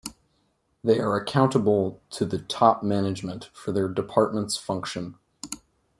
They are accountable to the top management for their department's function.